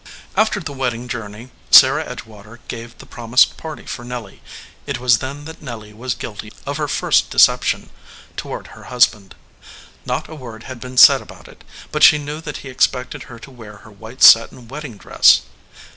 After the wedding journey Sarah Edgewater gave the promised party for Nelly. It was then that Nelly was guilty of her first deception toward her husband. Not a word had been said about it, but she knew that he expected her to wear her white satin wedding dress.